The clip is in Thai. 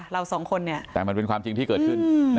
เราสองคนเนี่ยแต่มันเป็นความจริงที่เกิดขึ้น